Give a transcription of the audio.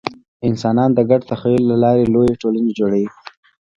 انسانان د ګډ تخیل له لارې لویې ټولنې جوړوي.